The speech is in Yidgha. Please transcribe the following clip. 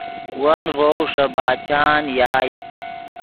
ون ڤؤ ݰے باچان یائے